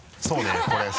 そうね